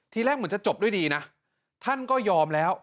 แรกเหมือนจะจบด้วยดีนะท่านก็ยอมแล้ว